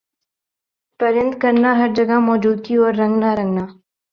پرند کرنا ہَر جگہ موجودگی اور رنگنا رنگنا